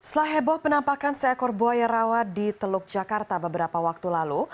setelah heboh penampakan seekor buaya rawa di teluk jakarta beberapa waktu lalu